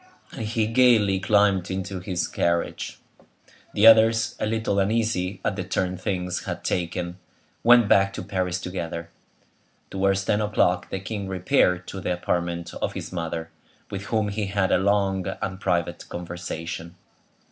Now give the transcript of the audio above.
And he gayly climbed into his carriage. The others, a little uneasy at the turn things had taken, went back to Paris together. Towards ten o'clock the king repaired to the apartment of his mother, with whom he had a long and private conversation.